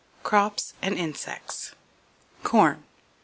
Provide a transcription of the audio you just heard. Crops And Insects. Corn.